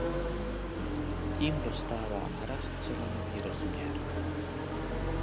Tím dostává hra zcela nový rozměr.